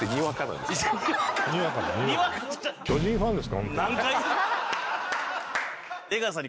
巨人ファンですか、本当に？